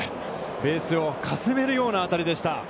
ベースをかすめるような当たりでした。